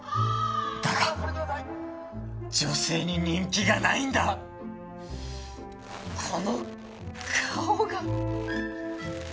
だが女性に人気がないんだこの顔が。